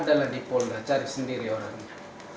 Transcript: adalah di polda cari sendiri orangnya